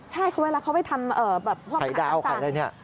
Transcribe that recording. ใช่เวลาเขาไปทำแบบขายอาจารย์